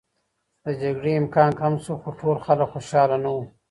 د جګړې امکان کم شو، خو ټول خلک خوشحاله نه و.